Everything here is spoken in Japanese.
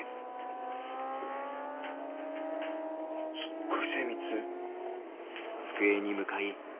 すっごい精密。